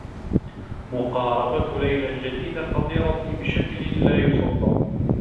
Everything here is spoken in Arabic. مقاربة ليلى الجديدة خطيرة بشكل لا يُصدّق.